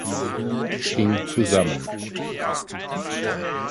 King zusammen.